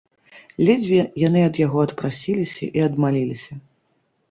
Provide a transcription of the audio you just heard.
Ледзьве яны ад яго адпрасіліся і адмаліліся.